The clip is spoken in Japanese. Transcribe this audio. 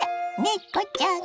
猫ちゃん！